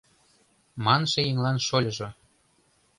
Манше еҥлан шольыжо: